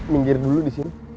minggir dulu di sini